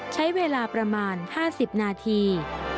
ใช้เวลาประมาณ๕๐นาที